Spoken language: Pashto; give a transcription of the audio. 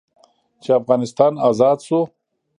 چې افغانستان ازاد سو.